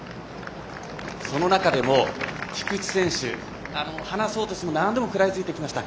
その中でも菊地選手離そうとしても何度も食らいついてきました。